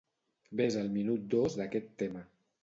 Ves al minut dos d'aquest tema.